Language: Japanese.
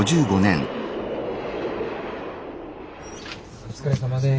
お疲れさまです。